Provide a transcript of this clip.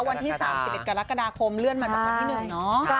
วันที่๓๑กรกฎาคมเลื่อนมาจากวันที่๑เนาะ